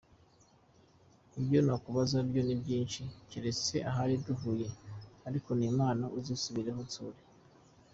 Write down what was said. Ibyo nakubaza byo ni byinshi keretse ahari duhuye, ariko ni impamo uzisubireho unsure.